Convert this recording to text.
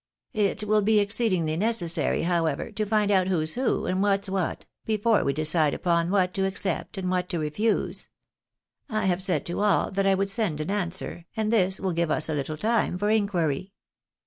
It will be exceedingly ne cessary, however, to find out who's who, and what's what, before we decide upon what to accept and what to refuse. I have said to aU that I would send an answer, and this will give us a little time for inquiry."